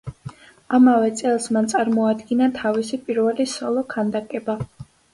ამავე წელს მან წარმოადგინა თავისი პირველი სოლო ქანდაკება.